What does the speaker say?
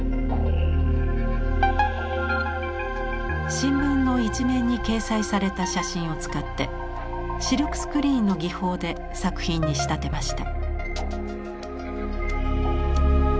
新聞の一面に掲載された写真を使ってシルクスクリーンの技法で作品に仕立てました。